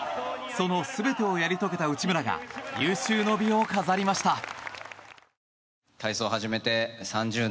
その全てをやり遂げた内村が有終の美を飾りました。